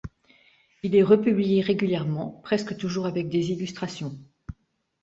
Il est republié régulièrement, presque toujours avec des illustrations.